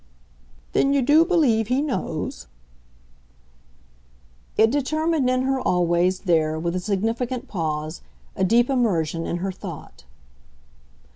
"Then you do believe he knows?" It determined in her always, there, with a significant pause, a deep immersion in her thought.